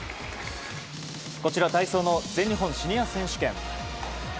こちら、体操の全日本シニア選手権。